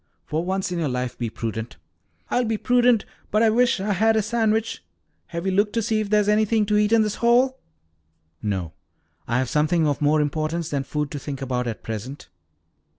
For once in your life be prudent." "I'll be prudent, but I wish I had a sandwich. Have you looked to see if there's anything to eat in this hole?" "No, I have something of more importance than food to think about at present."